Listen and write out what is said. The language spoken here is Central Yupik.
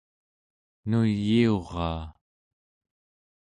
nuyiuraa